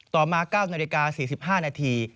ต่อมา๙นาฬิกา๔๕นาที